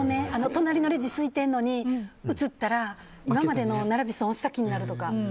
隣のレジ、すいてるのに移ったら今までの並び損した気になるとか。